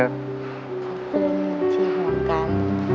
ขอบคุณที่ห่วงกัน